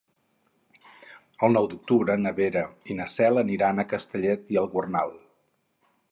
El nou d'octubre na Vera i na Cel aniran a Castellet i la Gornal.